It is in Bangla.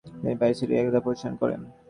তিনি পারস্যের ইলখানাত প্রতিষ্ঠা করেন।